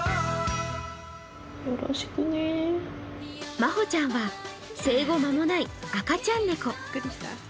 まほちゃんは生後間もない赤ちゃん猫。